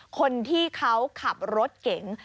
คนที่เขาขับรถเก๋ง